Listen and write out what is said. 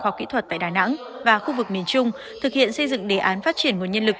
khoa học kỹ thuật tại đà nẵng và khu vực miền trung thực hiện xây dựng đề án phát triển nguồn nhân lực